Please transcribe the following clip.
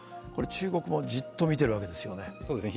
中国もじっと見ているわけですね。